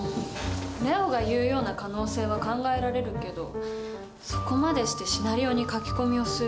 礼央が言うような可能性は考えられるけどそこまでしてシナリオに書き込みをする動機が分からない。